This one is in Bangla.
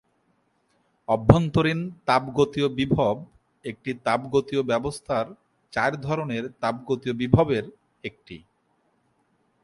অভ্যন্তরীণ তাপগতীয় বিভব একটি তাপগতীয় ব্যবস্থার চার ধরনের তাপগতীয় বিভবের একটি।